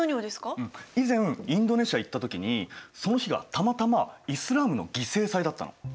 うん以前インドネシア行った時にその日がたまたまイスラームの犠牲祭だったの。